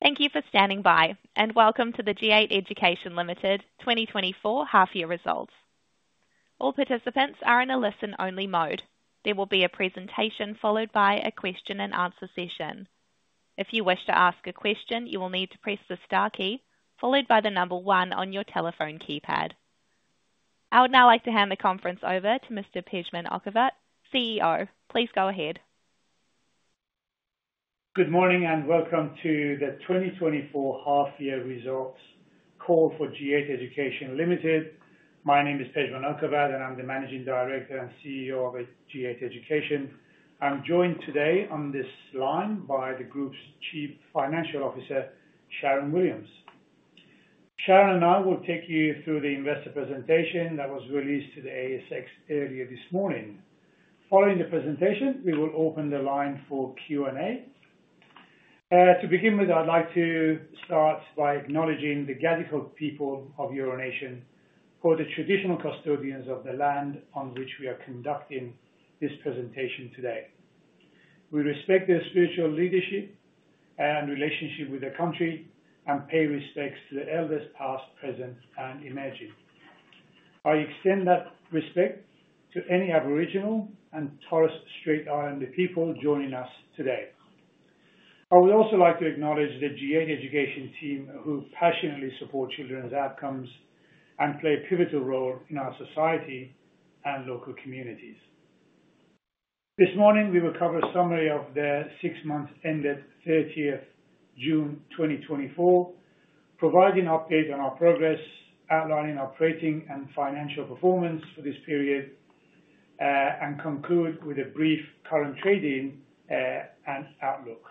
Thank you for standing by, and welcome to the G8 Education Limited 2024 Half-Year results. All participants are in a listen-only mode. There will be a presentation followed by a question and answer session. If you wish to ask a question, you will need to press the star key, followed by the number one on your telephone keypad. I would now like to hand the conference over to Mr. Pejman Okhavat, CEO. Please go ahead. Good morning, and welcome to the 2024 Half-Year Results call for G8 Education Limited. My name is Pejman Okhavat, and I'm the Managing Director and CEO of G8 Education. I'm joined today on this line by the group's Chief Financial Officer, Sharyn Williams. Sharyn and I will take you through the investor presentation that was released to the ASX earlier this morning. Following the presentation, we will open the line for Q&A. To begin with, I'd like to start by acknowledging the Gadigal people of Eora Nation for the traditional custodians of the land on which we are conducting this presentation today. We respect their spiritual leadership and relationship with the country and pay respects to the elders, past, present, and emerging. I extend that respect to any Aboriginal and Torres Strait Islander people joining us today. I would also like to acknowledge the G8 Education team, who passionately support children's outcomes and play a pivotal role in our society and local communities. This morning, we will cover a summary of the six months ended 30th June 2024, providing an update on our progress, outlining our operating and financial performance for this period, and conclude with a brief current trading and outlook.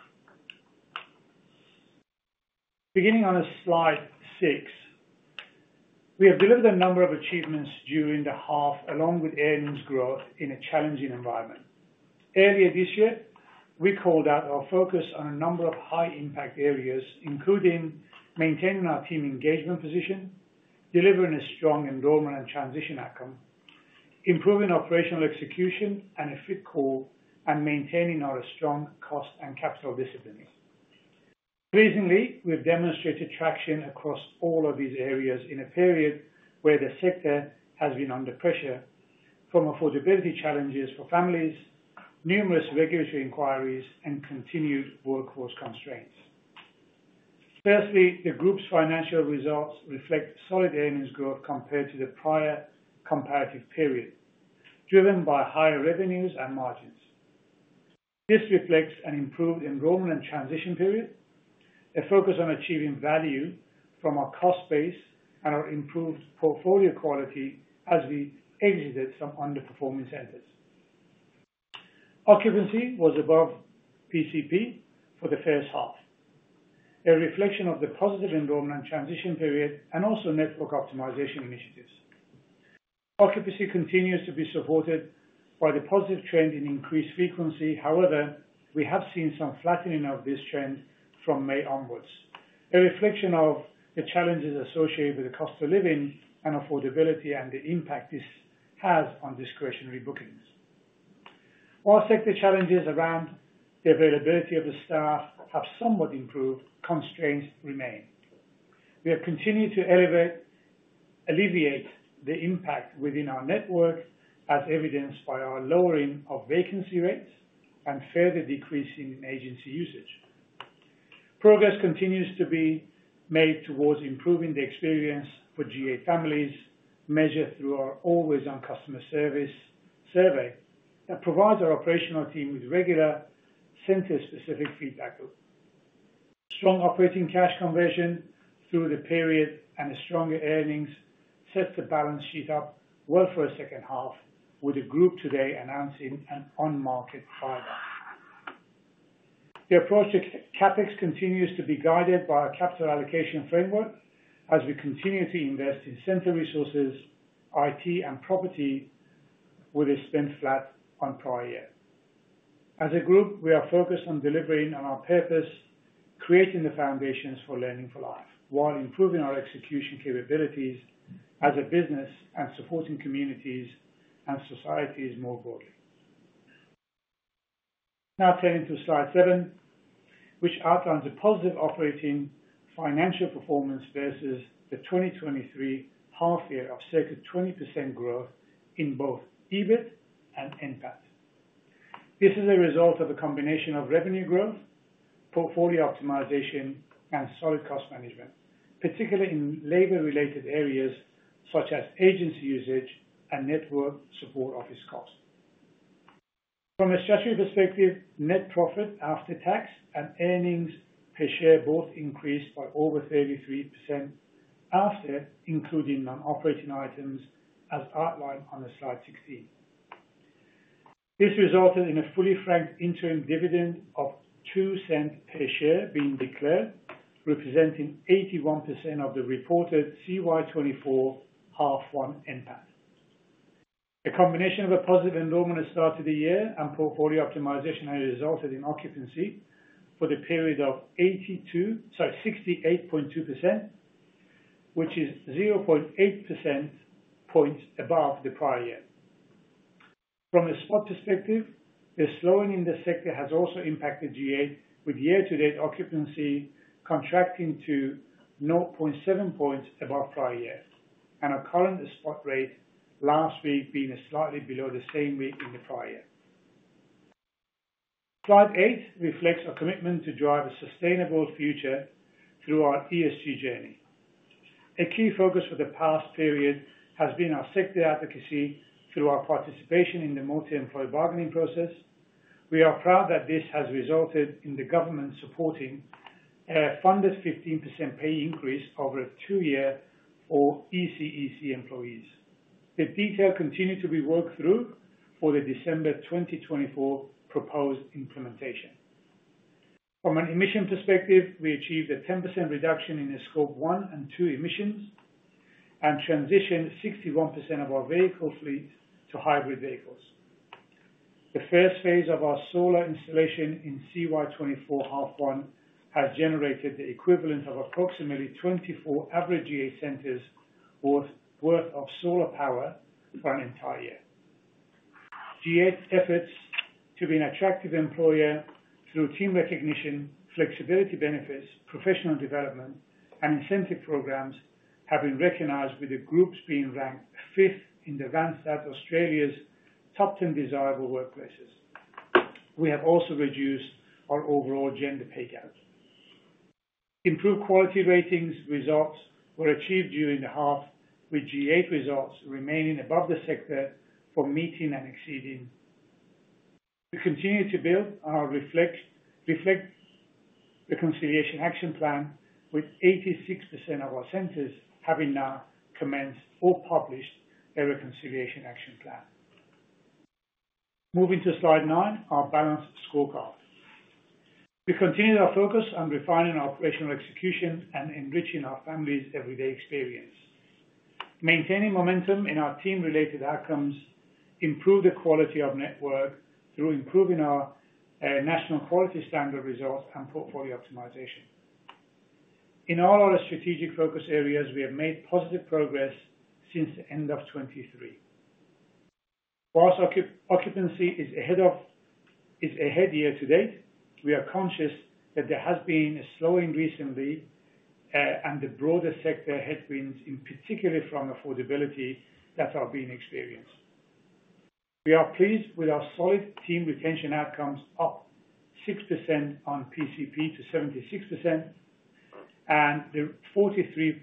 Beginning on a slide six, we have delivered a number of achievements during the half, along with earnings growth in a challenging environment. Earlier this year, we called out our focus on a number of high-impact areas, including maintaining our team engagement position, delivering a strong enrollment and transition outcome, improving operational execution and a Fit Core, and maintaining our strong cost and capital discipline. Pleasingly, we've demonstrated traction across all of these areas in a period where the sector has been under pressure from affordability challenges for families, numerous regulatory inquiries, and continued workforce constraints. Firstly, the group's financial results reflect solid earnings growth compared to the prior comparative period, driven by higher revenues and margins. This reflects an improved enrollment and transition period, a focus on achieving value from our cost base, and our improved portfolio quality as we exited some underperforming centers. Occupancy was above PCP for the first half, a reflection of the positive enrollment transition period and also network optimization initiatives. Occupancy continues to be supported by the positive trend in increased frequency. However, we have seen some flattening of this trend from May onwards, a reflection of the challenges associated with the cost of living and affordability and the impact this has on discretionary bookings. While sector challenges around the availability of the staff have somewhat improved, constraints remain. We have continued to alleviate the impact within our network, as evidenced by our lowering of vacancy rates and further decreasing agency usage. Progress continues to be made towards improving the experience for G8 families, measured through our Always On customer service survey that provides our operational team with regular center-specific feedback. Strong operating cash conversion through the period and the stronger earnings set the balance sheet up well for a second half, with the group today announcing an on-market buyback. The approach to CapEx continues to be guided by our capital allocation framework as we continue to invest in center resources, IT, and property, with a spend flat on prior year. As a group, we are focused on delivering on our purpose, creating the foundations for Learning for Life, while improving our execution capabilities as a business and supporting communities and societies more broadly. Now turning to slide seven, which outlines a positive operating financial performance versus the 2023 half-year of circa 20% growth in both EBIT and NPAT. This is a result of a combination of revenue growth, portfolio optimization, and solid cost management, particularly in labor-related areas such as agency usage and network support office cost. From a statutory perspective, net profit after tax and earnings per share both increased by over 33% after including non-operating items, as outlined on the slide 16. This resulted in a fully franked interim dividend of 0.02 per share being declared, representing 81% of the reported CY 2024 half 1 NPAT. A combination of a positive enrollment at start of the year and portfolio optimization has resulted in occupancy for the period of 68.2%, which is 0.8 percentage points above the prior year. From a spot perspective, the slowing in the sector has also impacted G8, with year-to-date occupancy contracting to 0.7 percentage points above prior year, and our current spot rate last week being slightly below the same week in the prior year. Slide eight reflects our commitment to drive a sustainable future through our ESG journey. A key focus for the past period has been our sector advocacy through our participation in the multi-employer bargaining process. We are proud that this has resulted in the government supporting funded 15% pay increase over a two-year for ECEC employees. The detail continued to be worked through for the December 2024 proposed implementation. From an emission perspective, we achieved a 10% reduction in the Scope 1 and 2 emissions, and transitioned 61% of our vehicle fleet to hybrid vehicles. The first phase of our solar installation in CY 2024 half one has generated the equivalent of approximately 24 average G8 centers worth, worth of solar power for an entire year. G8's efforts to be an attractive employer through team recognition, flexibility benefits, professional development, and incentive programs have been recognized with the groups being ranked 5th in the South Australia's top 10 desirable workplaces. We have also reduced our overall gender pay gap. Improved quality ratings results were achieved during the half, with G8 results remaining above the sector for meeting and exceeding. We continue to build on our Reconciliation Action Plan, with 86% of our centers having now commenced or published a Reconciliation Action Plan. Moving to slide nine, our balanced scorecard. We continued our focus on refining our operational execution and enriching our families' everyday experience. Maintaining momentum in our team-related outcomes, improve the quality of network through improving our National Quality Standard results and portfolio optimization. In all our strategic focus areas, we have made positive progress since the end of 2023. Whilst occupancy is ahead year to date, we are conscious that there has been a slowing recently, and the broader sector headwinds, in particular from affordability, that are being experienced. We are pleased with our solid team retention outcomes, up 6% on PCP to 76%, and the 43%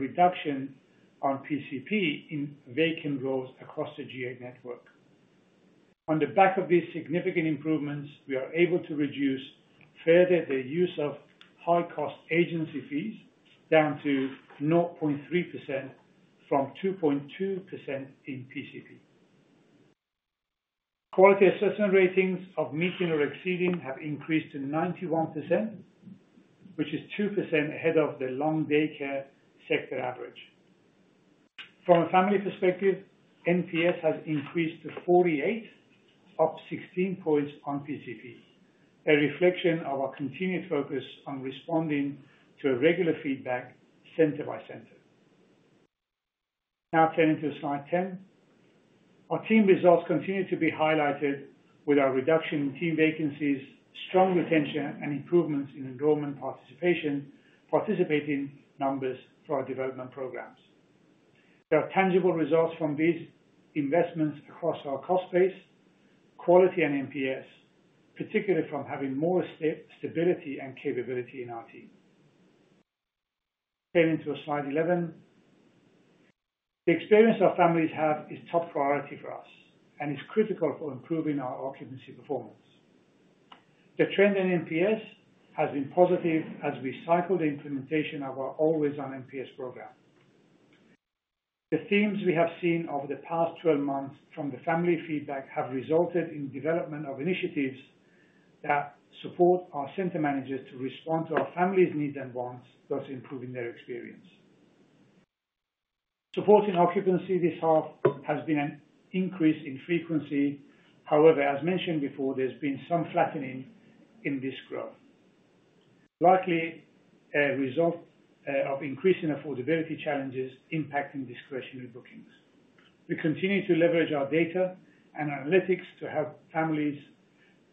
reduction on PCP in vacant roles across the G8 network. On the back of these significant improvements, we are able to reduce further the use of high-cost agency fees down to 0.3% from 2.2% in PCP. Quality assessment ratings of meeting or exceeding have increased to 91%, which is 2% ahead of the long daycare sector average. From a family perspective, NPS has increased to 48, up 16 points on PCP, a reflection of our continued focus on responding to a regular feedback center by center. Now turning to slide 10. Our team results continue to be highlighted with our reduction in team vacancies, strong retention, and improvements in enrollment participation, participating numbers for our development programs. There are tangible results from these investments across our cost base, quality and NPS, particularly from having more stability and capability in our team. Getting to slide 11. The experience our families have is top priority for us and is critical for improving our occupancy performance. The trend in NPS has been positive as we cycle the implementation of our Always On NPS program. The themes we have seen over the past 12 months from the family feedback have resulted in development of initiatives that support our center managers to respond to our families' needs and wants, thus improving their experience. Supporting occupancy this half has been an increase in frequency. However, as mentioned before, there's been some flattening in this growth. Likely, a result of increasing affordability challenges impacting discretionary bookings. We continue to leverage our data and analytics to help families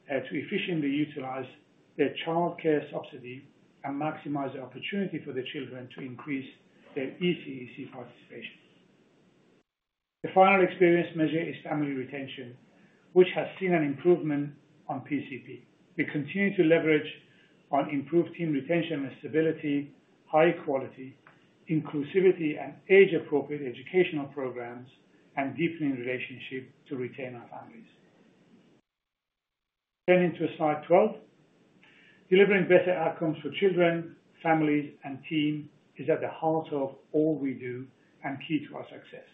to efficiently utilize their Child Care Subsidy and maximize the opportunity for the children to increase their ECEC participation. The final experience measure is family retention, which has seen an improvement on PCP. We continue to leverage on improved team retention and stability, high quality, inclusivity, and age-appropriate educational programs, and deepening relationship to retain our families. Getting to slide 12. Delivering better outcomes for children, families, and team is at the heart of all we do and key to our success.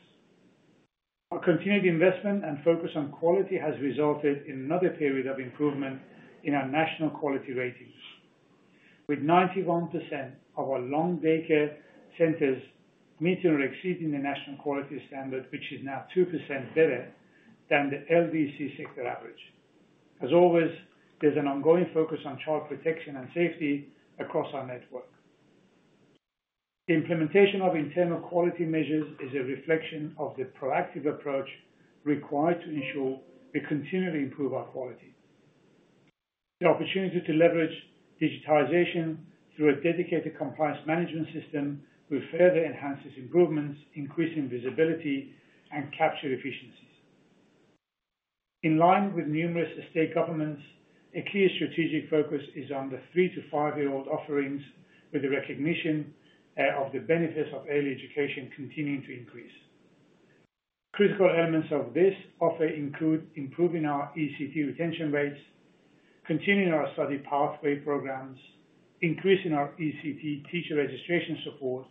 Our continued investment and focus on quality has resulted in another period of improvement in our national quality ratings. With 91% of our long daycare centers meeting or exceeding the national quality standard, which is now 2% better than the LDC sector average. As always, there's an ongoing focus on child protection and safety across our network. The implementation of internal quality measures is a reflection of the proactive approach required to ensure we continually improve our quality. The opportunity to leverage digitization through a dedicated compliance management system will further enhance these improvements, increasing visibility and capture efficiencies. In line with numerous state governments, a key strategic focus is on the three-to-five-year-old offerings, with the recognition of the benefits of early education continuing to increase. Critical elements of this offer include improving our ECT retention rates, continuing our study pathway programs, increasing our ECT teacher registration support,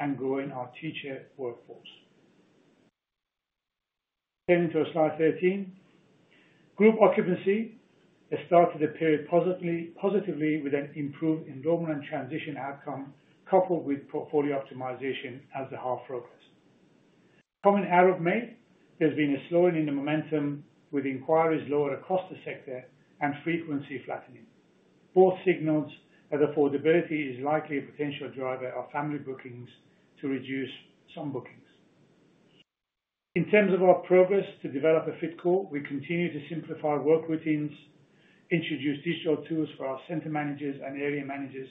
and growing our teacher workforce. Turning to slide 13. Group occupancy has started the period positively with an improved enrollment and transition outcome, coupled with portfolio optimization as the half progressed. Coming out of May, there's been a slowing in the momentum, with inquiries lower across the sector and frequency flattening. Both signals that affordability is likely a potential driver of family bookings to reduce some bookings. In terms of our progress to develop a Fit Core, we continue to simplify work routines, introduce digital tools for our center managers and area managers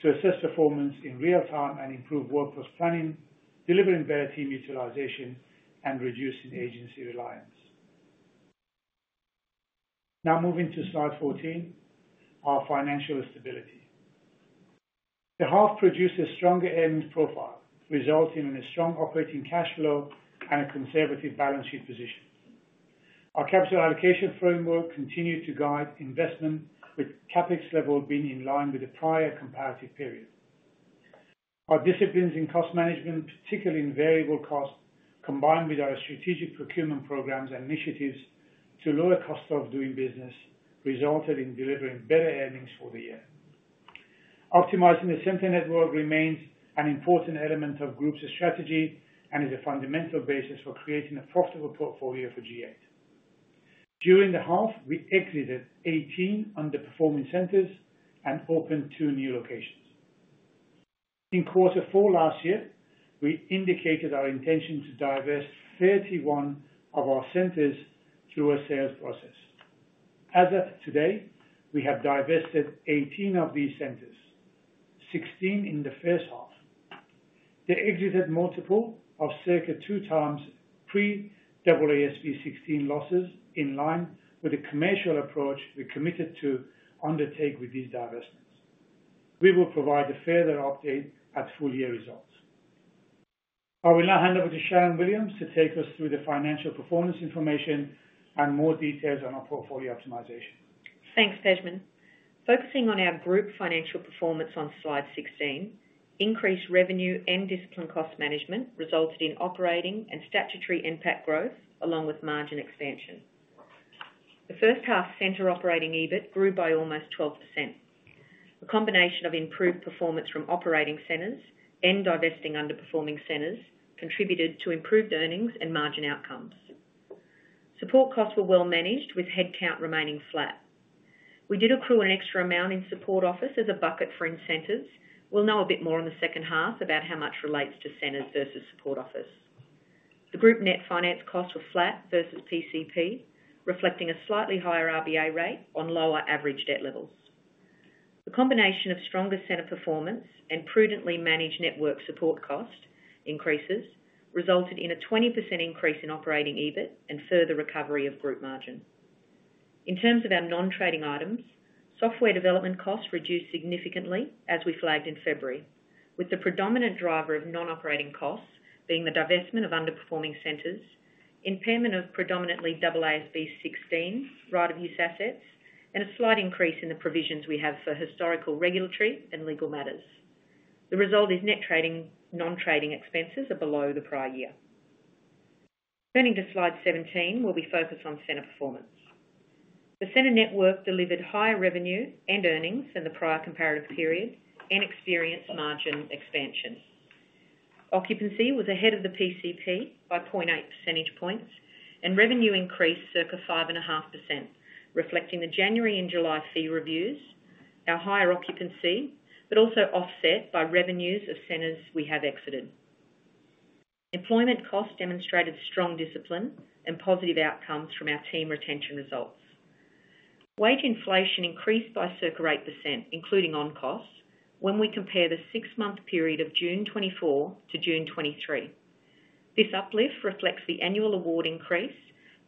to assess performance in real time and improve workforce planning, delivering better team utilization, and reducing agency reliance. Now moving to slide fourteen, our financial stability. The half produced a stronger earnings profile, resulting in a strong operating cash flow and a conservative balance sheet position. Our capital allocation framework continued to guide investment, with CapEx level being in line with the prior comparative period. Our disciplines in cost management, particularly in variable costs, combined with our strategic procurement programs initiatives to lower costs of doing business, resulted in delivering better earnings for the year. Optimizing the center network remains an important element of Group's strategy and is a fundamental basis for creating a profitable portfolio for G8. During the half, we exited 18 underperforming centers and opened two new locations. In Q4 last year, we indicated our intention to divest 31 of our centers through a sales process. As of today, we have divested 18 of these centers, 16 in the first half. They exited multiple of circa two times pre-AASB 16 losses, in line with the commercial approach we committed to undertake with these divestments. We will provide a further update at full-year results. I will now hand over to Sharyn Williams to take us through the financial performance information and more details on our portfolio optimization. Thanks, Pejman. Focusing on our Group financial performance on Slide 16, increased revenue and disciplined cost management resulted in operating and statutory NPAT growth, along with margin expansion. The first half center operating EBIT grew by almost 12%. A combination of improved performance from operating centers and divesting underperforming centers contributed to improved earnings and margin outcomes. Support costs were well managed, with headcount remaining flat. We did accrue an extra amount in support office as a bucket for incentives. We'll know a bit more in the second half about how much relates to centers versus support office. The group net finance costs were flat versus PCP, reflecting a slightly higher RBA rate on lower average debt levels. The combination of stronger center performance and prudently managed network support cost increases resulted in a 20% increase in operating EBIT and further recovery of group margin. In terms of our non-trading items, software development costs reduced significantly as we flagged in February, with the predominant driver of non-operating costs being the divestment of underperforming centers, impairment of predominantly AASB 16 right-of-use assets, and a slight increase in the provisions we have for historical, regulatory, and legal matters. The result is net non-trading expenses are below the prior year. Turning to Slide 17, where we focus on center performance. The center network delivered higher revenue and earnings than the prior comparative period and experienced margin expansion. Occupancy was ahead of the PCP by 0.8 percentage points, and revenue increased circa 5.5%, reflecting the January and July fee reviews, our higher occupancy, but also offset by revenues of centers we have exited. Employment costs demonstrated strong discipline and positive outcomes from our team retention results. Wage inflation increased by circa 8%, including on costs, when we compare the six-month period of June 2024 to June 2023. This uplift reflects the annual award increase,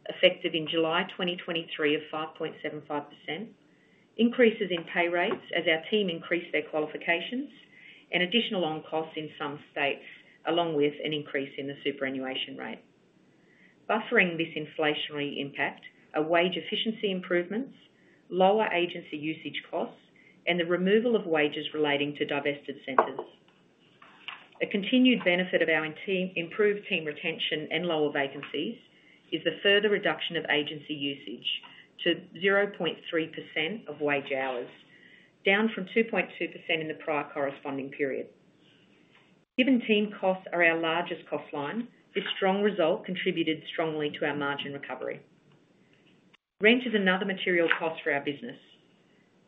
effective in July 2023 of 5.75%, increases in pay rates as our team increased their qualifications, and additional on costs in some states, along with an increase in the superannuation rate. Buffering this inflationary impact are wage efficiency improvements, lower agency usage costs, and the removal of wages relating to divested centers. A continued benefit of our team, improved team retention and lower vacancies, is the further reduction of agency usage to 0.3% of wage hours, down from 2.2% in the prior corresponding period. Given team costs are our largest cost line, this strong result contributed strongly to our margin recovery. Rent is another material cost for our business.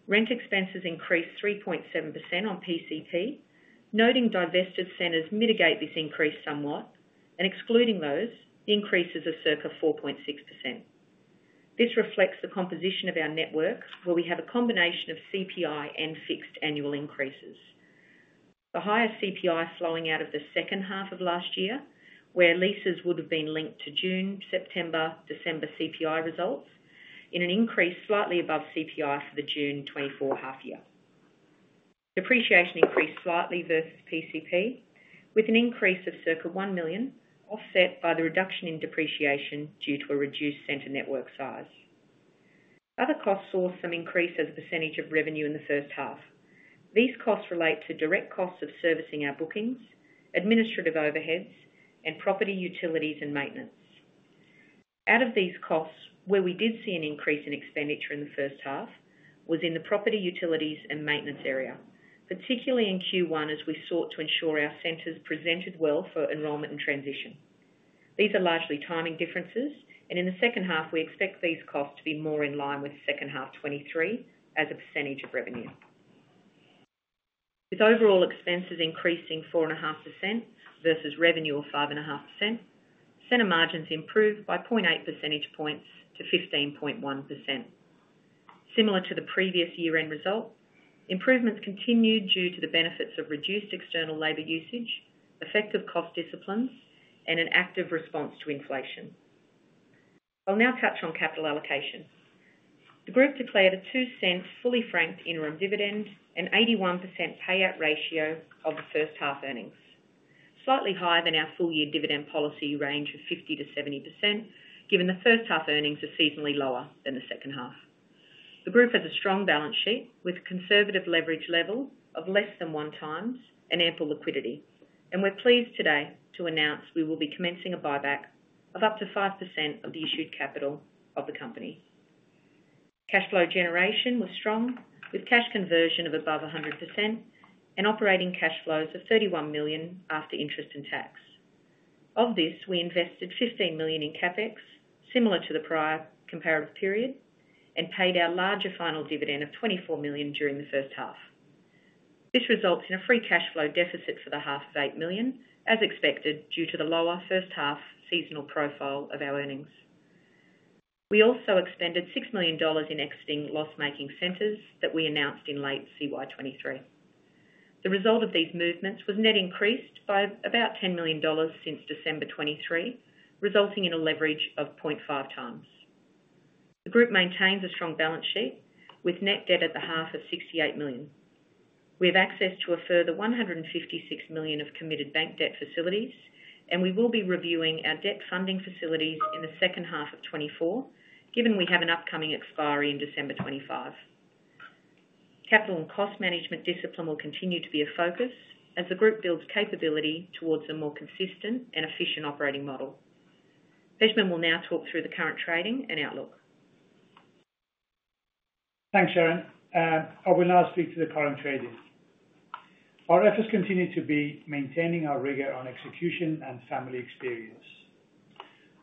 Rent expenses increased 3.7% on PCP, noting divested centers mitigate this increase somewhat, and excluding those, the increases are circa 4.6%. This reflects the composition of our network, where we have a combination of CPI and fixed annual increases. The higher CPI flowing out of the second half of last year, where leases would have been linked to June, September, December CPI results, in an increase slightly above CPI for the June 2024 half year. Depreciation increased slightly versus PCP, with an increase of circa one million, offset by the reduction in depreciation due to a reduced center network size. Other costs saw some increase as a percentage of revenue in the first half. These costs relate to direct costs of servicing our bookings, administrative overheads, and property utilities and maintenance. Out of these costs, where we did see an increase in expenditure in the first half, was in the property utilities and maintenance area, particularly in Q1, as we sought to ensure our centers presented well for enrollment and transition. These are largely timing differences, and in the second half, we expect these costs to be more in line with second half 2023 as a percentage of revenue. With overall expenses increasing 4.5% versus revenue of 5.5%, center margins improved by 0.8 percentage points to 15.1%. Similar to the previous year-end result, improvements continued due to the benefits of reduced external labor usage, effective cost disciplines, and an active response to inflation. I'll now touch on capital allocation. The group declared a 0.02 fully franked interim dividend and 81% payout ratio of the first half earnings. Slightly higher than our full year dividend policy range of 50%-70%, given the first half earnings are seasonally lower than the second half. The group has a strong balance sheet, with conservative leverage level of less than one times and ample liquidity. And we're pleased today to announce we will be commencing a buyback of up to 5% of the issued capital of the company. Cash flow generation was strong, with cash conversion of above 100% and operating cash flows of 31 million after interest and tax. Of this, we invested 15 million in CapEx, similar to the prior comparative period, and paid our larger final dividend of 24 million during the first half. This results in a free cash flow deficit for the half of 8 million, as expected, due to the lower first half seasonal profile of our earnings. We also expended 6 million dollars in exiting loss-making centers that we announced in late CY 2023. The result of these movements was net increased by about 10 million dollars since December 2023, resulting in a leverage of 0.5 times. The group maintains a strong balance sheet, with net debt at the half of 68 million. We have access to a further 156 million of committed bank debt facilities, and we will be reviewing our debt funding facilities in the second half of 2024, given we have an upcoming expiry in December 2025. Capital and cost management discipline will continue to be a focus as the group builds capability towards a more consistent and efficient operating model. Pejman will now talk through the current trading and outlook. Thanks, Sharon. I will now speak to the current trading. Our efforts continue to be maintaining our rigor on execution and family experience.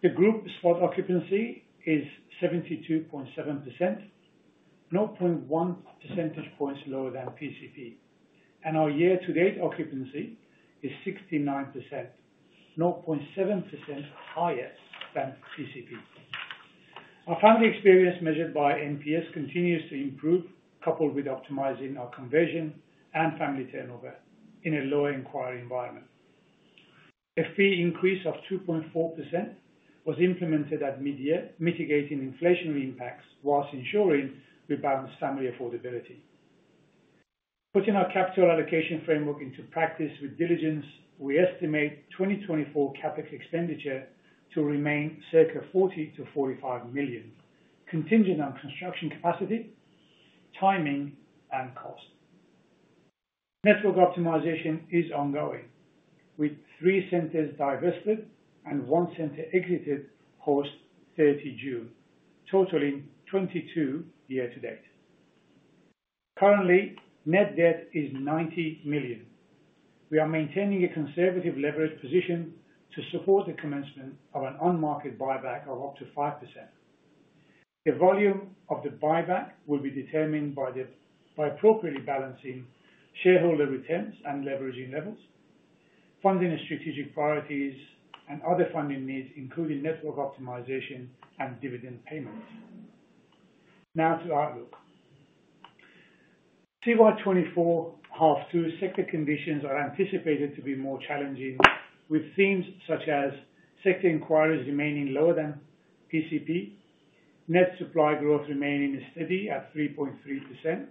The group's spot occupancy is 72.7%, 0.1 percentage points lower than PCP, and our year-to-date occupancy is 69%, 0.7% higher than PCP. Our family experience, measured by NPS, continues to improve, coupled with optimizing our conversion and family turnover in a low inquiry environment. A fee increase of 2.4% was implemented at midyear, mitigating inflationary impacts while ensuring we balance family affordability. Putting our capital allocation framework into practice with diligence, we estimate 2024 CapEx expenditure to remain circa AUD 40million-45 million, contingent on construction capacity, timing, and cost. Network optimization is ongoing, with three centers divested and one center exited post 30 June, totaling 22 year to date. Currently, net debt is 90 million. We are maintaining a conservative leverage position to support the commencement of an on-market buyback of up to 5%. The volume of the buyback will be determined by appropriately balancing shareholder returns and leveraging levels, funding the strategic priorities, and other funding needs, including network optimization and dividend payments. Now to outlook. CY 2024, half two sector conditions are anticipated to be more challenging, with themes such as sector inquiries remaining lower than PCP, net supply growth remaining steady at 3.3%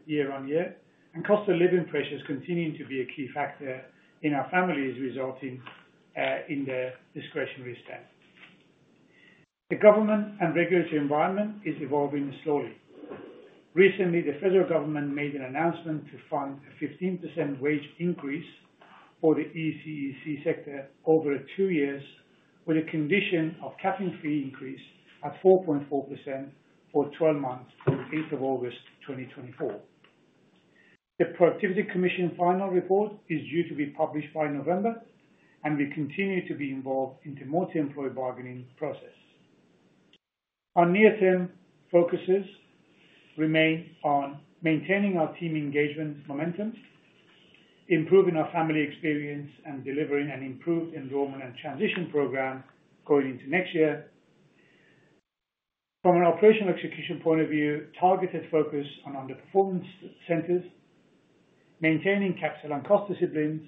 year on year, and cost of living pressures continuing to be a key factor in our families, resulting in their discretionary spend. The government and regulatory environment is evolving slowly. Recently, the federal government made an announcement to fund a 15% wage increase for the ECEC sector over two years, with a condition of capping fee increase at 4.4% for 12 months from the eighth of August 2024. The Productivity Commission final report is due to be published by November, and we continue to be involved in the multi-employer bargaining process. Our near-term focuses remain on maintaining our team engagement momentum, improving our family experience, and delivering an improved enrollment and transition program going into next year. From an operational execution point of view, targeted focus on underperformance centers, maintaining capital and cost disciplines,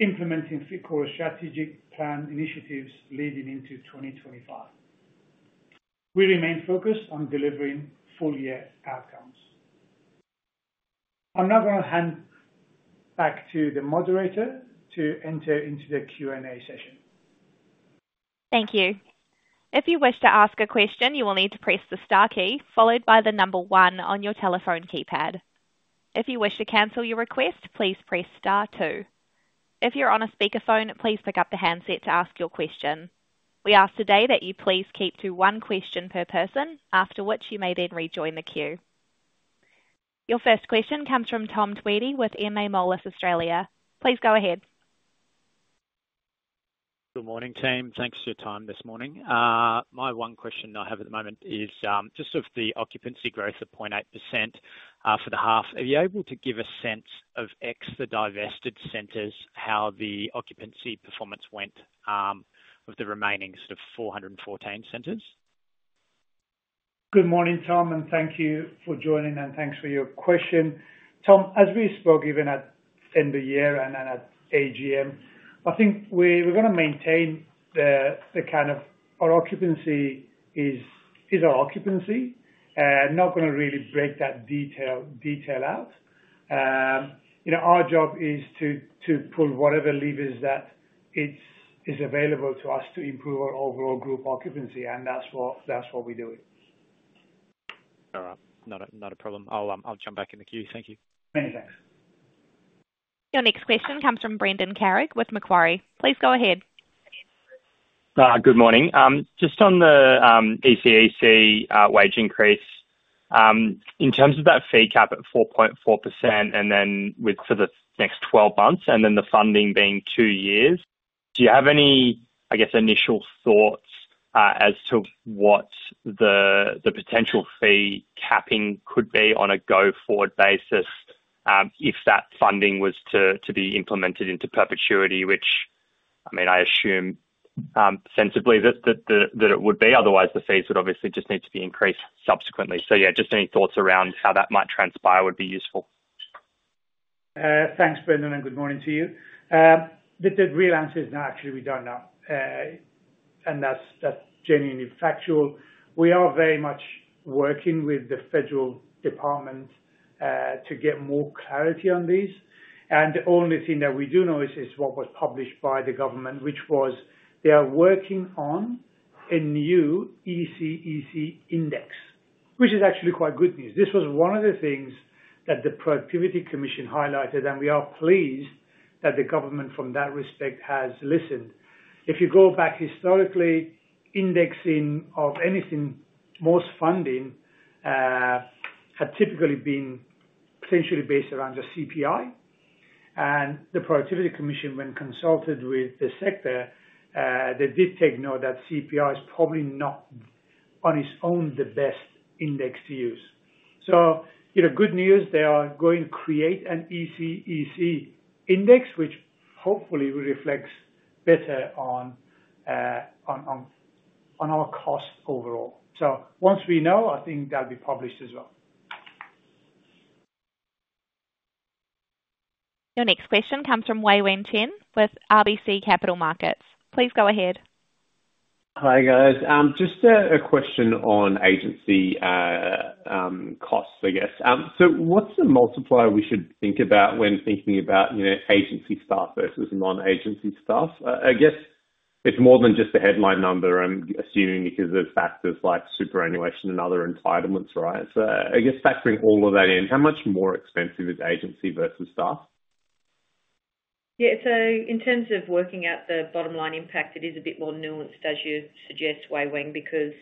implementing Fit for Strategy plan initiatives leading into 2025. We remain focused on delivering full year outcomes. I'm now going to hand back to the moderator to enter into the Q&A session. Thank you. If you wish to ask a question, you will need to press the star key followed by the number one on your telephone keypad. If you wish to cancel your request, please press star two. If you're on a speakerphone, please pick up the handset to ask your question. We ask today that you please keep to one question per person, after which you may then rejoin the queue. Your first question comes from Tom Tweedie with MA Moelis Australia. Please go ahead. Good morning, team. Thanks for your time this morning. My one question I have at the moment is, just of the occupancy growth of 0.8%, for the half. Are you able to give a sense of X, the divested centers, how the occupancy performance went, with the remaining sort of 414 centers? Good morning, Tom, and thank you for joining, and thanks for your question. Tom, as we spoke even at end of year and then at AGM, I think we're gonna maintain the kind of our occupancy is our occupancy. Not gonna really break that detail out. You know, our job is to pull whatever levers that is available to us to improve our overall group occupancy, and that's what we're doing. All right. Not a problem. I'll jump back in the queue. Thank you. Many thanks. Your next question comes from Brendan Carrig with Macquarie. Please go ahead. Good morning. Just on the ECEC wage increase, in terms of that fee cap at 4.4% and then with for the next twelve months, and then the funding being two years, do you have any, I guess, initial thoughts, as to what the potential fee capping could be on a go-forward basis, if that funding was to be implemented into perpetuity? Which, I mean, I assume, sensibly that it would be otherwise, the fees would obviously just need to be increased subsequently. So yeah, just any thoughts around how that might transpire would be useful. Thanks, Brendan, and good morning to you, but the real answer is no. Actually, we don't know, and that's genuinely factual. We are very much working with the federal department to get more clarity on this, and the only thing that we do know is what was published by the government, which was: they are working on a new ECEC index, which is actually quite good news. This was one of the things that the Productivity Commission highlighted, and we are pleased that the government, from that respect, has listened. If you go back historically, indexing of anything, most funding, had typically been potentially based around the CPI and the Productivity Commission, when consulted with the sector, they did take note that CPI is probably not, on its own, the best index to use. So, you know, good news, they are going to create an ECEC index, which hopefully will reflect better on our costs overall. So once we know, I think that'll be published as well. Your next question comes from Wei-Weng Chin with RBC Capital Markets. Please go ahead. Hi, guys. Just a question on agency costs, I guess. So what's the multiplier we should think about when thinking about, you know, agency staff versus non-agency staff? I guess it's more than just the headline number, I'm assuming, because of factors like superannuation and other entitlements, right? So I guess factoring all of that in, how much more expensive is agency versus staff? Yeah. So in terms of working out the bottom line impact, it is a bit more nuanced, as you suggest, Wei-Weng, because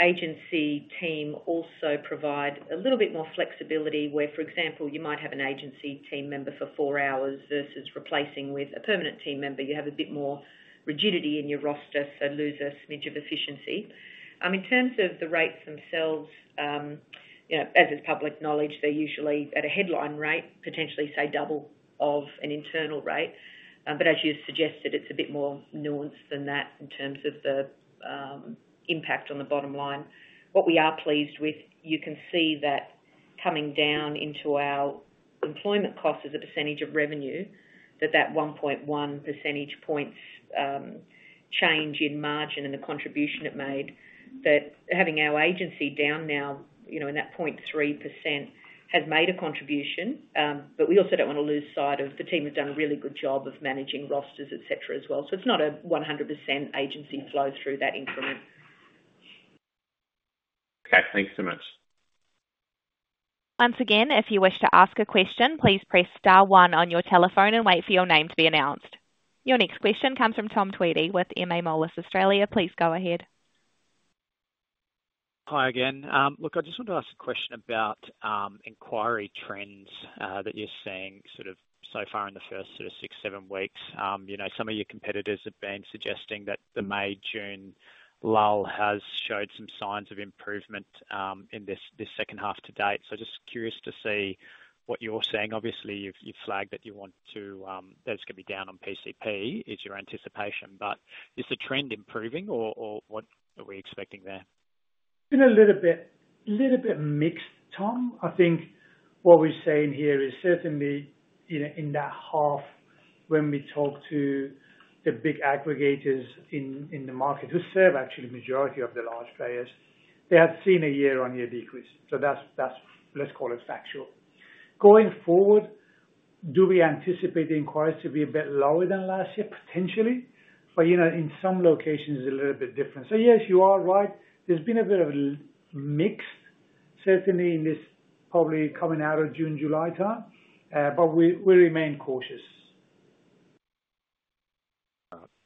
agency team also provide a little bit more flexibility, where, for example, you might have an agency team member for four hours versus replacing with a permanent team member. You have a bit more rigidity in your roster, so lose a smidge of efficiency. In terms of the rates themselves, you know, as is public knowledge, they're usually at a headline rate, potentially, say, double of an internal rate. But as you suggested, it's a bit more nuanced than that in terms of the impact on the bottom line. What we are pleased with, you can see that coming down into our employment cost as a percentage of revenue, that that 1.1 percentage points change in margin and the contribution it made, that having our agency down now, you know, in that 0.3% has made a contribution, but we also don't want to lose sight of the team has done a really good job of managing rosters, et cetera, as well, so it's not a 100% agency flow through that increment. Okay, thanks so much. Once again, if you wish to ask a question, please press star one on your telephone and wait for your name to be announced. Your next question comes from Tom Tweedie with MA Moelis Australia. Please go ahead. ... Hi again. Look, I just wanted to ask a question about inquiry trends that you're seeing sort of so far in the first sort of six, seven weeks. You know, some of your competitors have been suggesting that the May-June lull has showed some signs of improvement in this second half to date. So just curious to see what you're seeing. Obviously, you've flagged that it's going to be down on PCP, is your anticipation, but is the trend improving or what are we expecting there? Been a little bit mixed, Tom. I think what we're saying here is certainly, you know, in that half, when we talk to the big aggregators in the market, who serve actually the majority of the large players, they have seen a year-on-year decrease. So that's factual. Going forward, do we anticipate the inquiries to be a bit lower than last year? Potentially. But, you know, in some locations a little bit different. So yes, you are right. There's been a bit of little mix, certainly in this, probably coming out of June, July time. But we remain cautious.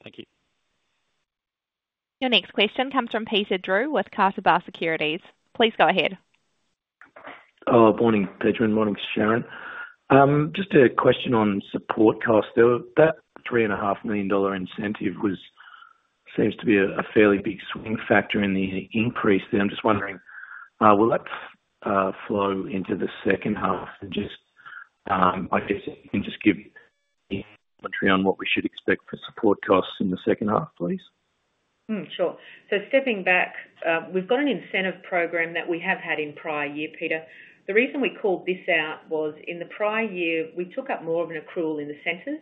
Thank you. Your next question comes from Peter Drew with Canaccord Genuity. Please go ahead. Morning, Pejman, morning, Sharyn. Just a question on support cost. That 3.5 million dollar incentive seems to be a fairly big swing factor in the increase. And I'm just wondering, will that flow into the second half? And just, I guess if you can just give me a commentary on what we should expect for support costs in the second half, please. Sure. So stepping back, we've got an incentive program that we have had in prior year, Peter. The reason we called this out was in the prior year, we took up more of an accrual in the centers.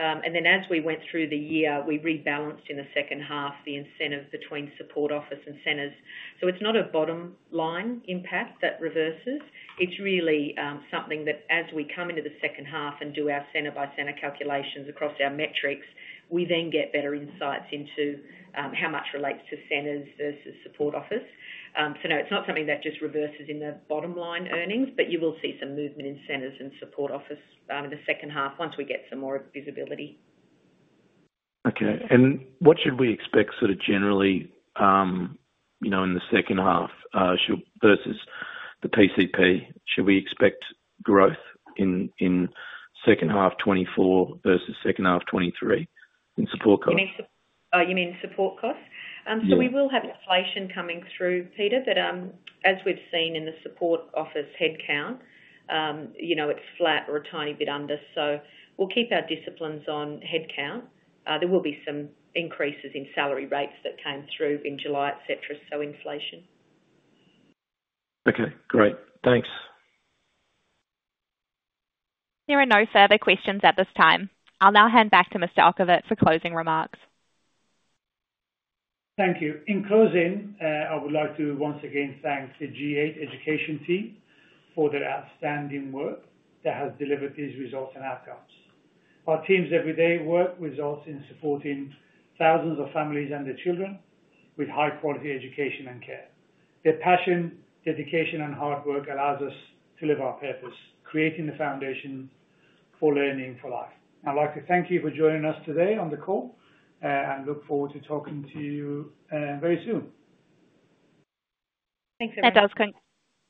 And then as we went through the year, we rebalanced in the second half, the incentives between support office and centers. So it's not a bottom line impact that reverses. It's really, something that as we come into the second half and do our center-by-center calculations across our metrics, we then get better insights into, how much relates to centers versus support office. So no, it's not something that just reverses in the bottom line earnings, but you will see some movement in centers and support office, in the second half, once we get some more visibility. Okay. And what should we expect sort of generally, you know, in the second half versus the PCP? Should we expect growth in second half 2024 versus second half 2023 in support costs? You mean support costs? Yeah. So we will have inflation coming through, Peter, but, as we've seen in the support office headcount, you know, it's flat or a tiny bit under, so we'll keep our disciplines on headcount. There will be some increases in salary rates that came through in July, et cetera, so inflation. Okay, great. Thanks. There are no further questions at this time. I'll now hand back to Mr. Okhovat for closing remarks. Thank you. In closing, I would like to once again thank the G8 Education team for their outstanding work that has delivered these results and outcomes. Our teams every day work results in supporting thousands of families and their children with high-quality education and care. Their passion, dedication and hard work allows us to live our purpose, creating the foundation for Learning for Life. I'd like to thank you for joining us today on the call, and look forward to talking to you, very soon. Thanks, everyone.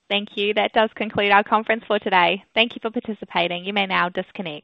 Thank you. That does conclude our conference for today. Thank you for participating. You may now disconnect.